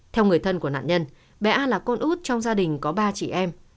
theo người thân của nạn nhân bé a là con út trong gia đình có ba chị em